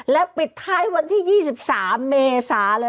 และปิดท้ายวันที่๒๓เมษาเลย